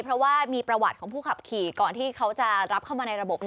เพราะว่ามีประวัติของผู้ขับขี่ก่อนที่เขาจะรับเข้ามาในระบบ